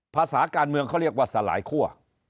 ภาษาการเมืองเขาเรียกว่าสลายคั่ว